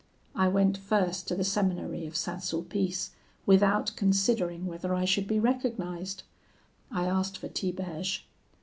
I went first to the seminary of St. Sulpice, without considering whether I should be recognised. I asked for Tiberge.